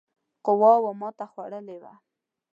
قواوو ماته خوړلې وه.